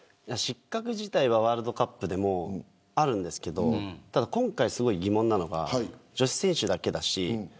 失格自体はワールドカップでもあるんですけど今回、すごい疑問なのが女子選手だけだし。